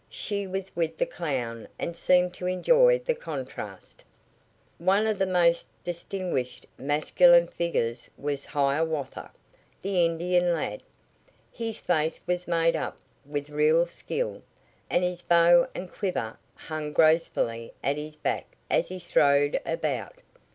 She was with the clown and seemed to enjoy the contrast. One of the most distinguished masculine figures was Hiawatha, the Indian lad. His face was made up with real skill, and his bow and quiver hung gracefully at his back as he strode about.